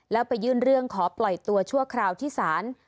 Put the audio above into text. แล้วไปยื่นเรื่องขอปล่อยตัวชั่วคราวที่ศาล